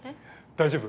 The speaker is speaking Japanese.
大丈夫？